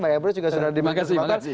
mbak ebrus juga sudah diberikan kesempatan